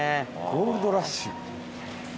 ゴールドラッシュ。